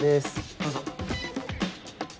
どうぞ。